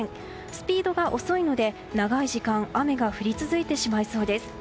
スピードが遅いので、長い時間雨が降り続いてしまいそうです。